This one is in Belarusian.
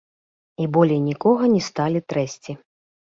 І болей нікога не сталі трэсці.